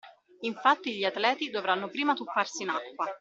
Infatti gli atleti dovranno prima tuffarsi in acqua